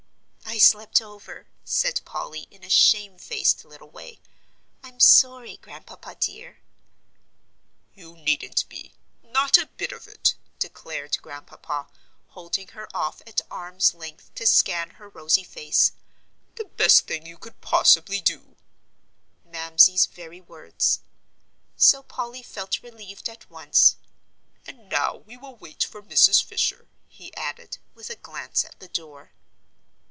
"I slept over," said Polly, in a shamefaced little way; "I'm sorry, Grandpapa dear." "You needn't be; not a bit of it," declared Grandpapa, holding her off at arm's length to scan her rosy face; "the best thing you could possibly do" Mamsie's very words. So Polly felt relieved at once. "And now we will wait for Mrs. Fisher," he added, with a glance at the door.